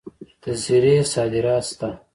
د زیرې صادرات شته.